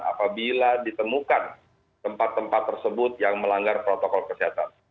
apabila ditemukan tempat tempat tersebut yang melanggar protokol kesehatan